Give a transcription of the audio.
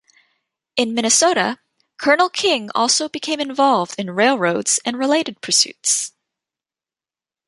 In Minnesota, Colonel King also became involved in railroads and related pursuits.